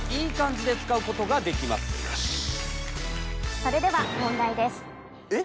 それでは問題です。えっ？